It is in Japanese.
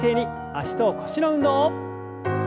脚と腰の運動。